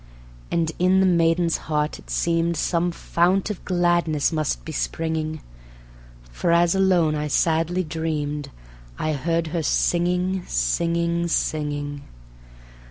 And in the maiden's heart it seemed Some fount of gladness must be springing, For as alone I sadly dreamed I heard her singing, singing, singing.